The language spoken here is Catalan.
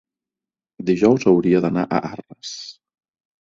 dijous hauria d'anar a Arnes.